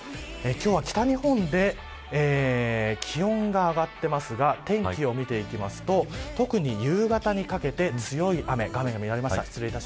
今日は北日本で気温が上がっていますが天気を見ていきますと特に夕方にかけて強い雨、画面が乱れました。